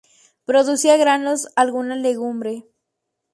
Producía granos, alguna legumbre.